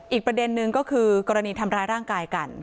อีกประเด็นนึงก็คือกรณีทำร้ายร่างกายกัน